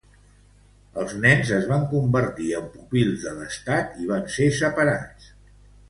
Els nens es van convertir en pupils de l'estat i van ser separats.